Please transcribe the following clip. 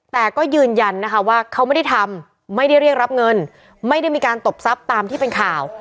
แต่ก็ยืนยันนะคะว่าเขาไม่ได้ทำไม่ได้เรียกรับเงินไม่ได้มีการตบทรัพย์ตามที่เป็นข่าว